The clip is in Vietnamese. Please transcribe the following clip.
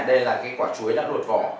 đây là quả chuối đã đột vỏ